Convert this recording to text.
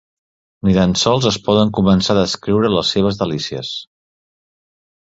Ni tan sols es poden començar a descriure les seves delícies.